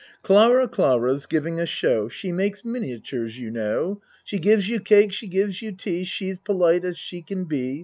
Clara, Clara's giving a show, She makes miniatures, you know; She gives you cake, she gives you tea, She's polite as she can be.